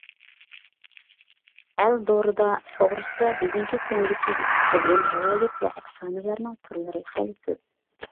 ئەل دورىدا توغرىسىدا بۈگۈنكى كۈنگىچە يېتىپ كەلگەن رىۋايەت ۋە ئەپسانىلەرنىڭ تۈرلىرى خېلى كۆپ.